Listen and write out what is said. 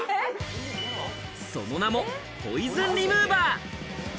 その名もポイズンリムーバー。